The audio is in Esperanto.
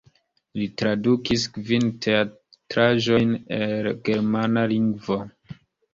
Li tradukis kvin teatraĵojn el germana lingvo.